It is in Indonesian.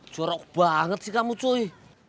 corok banget sih kamu cui